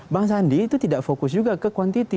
bang sandi itu tidak fokus juga ke kuantiti